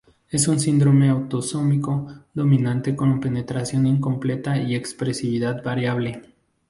Es un síndrome autosómico dominante con penetración incompleta y expresividad variable.